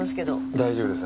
大丈夫です。